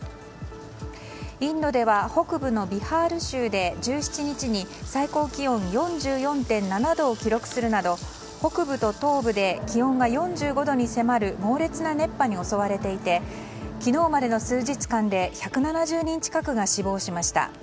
インドでは北部のビハール州で１７日に最高気温４４．７度を記録するなど北部と東部で気温が４５度に迫る猛烈な熱波に襲われていて昨日までの数日間で１７０人近くが死亡しました。